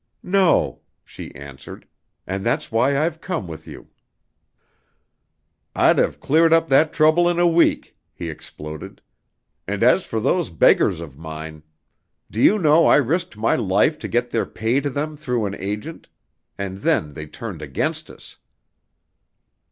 "No," she answered. "And that's why I've come with you." "I'd have cleared up that trouble in a week," he exploded. "And as for those beggars of mine do you know I risked my life to get their pay to them through an agent? And then they turned against us."